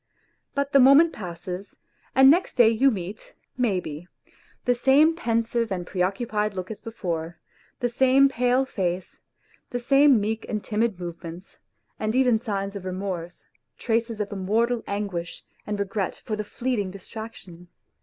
... But the moment passes, and next day you meet, maybe, the same pensive and pre occupied look as before, the same pale face, the same meek and timid movements, and even signs of remorse, traces of a mortal anguish and regret for the fleeting distraction.